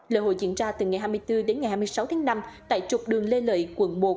lễ hội diễn ra từ ngày hai mươi bốn đến ngày hai mươi sáu tháng năm tại trục đường lê lợi quận một